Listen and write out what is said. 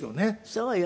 そうよ。